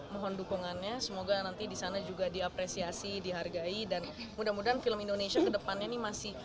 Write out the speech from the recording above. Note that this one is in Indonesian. mohon dukungannya semoga nanti di sana juga diapresiasi dihargai dan mudah mudahan film indonesia ke depannya ini masih